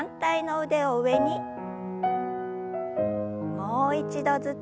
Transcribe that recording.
もう一度ずつ。